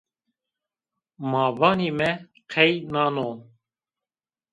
Ma vanîme qey nan o